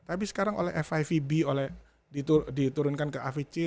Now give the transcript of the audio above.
tapi sekarang oleh fivb diturunkan ke avc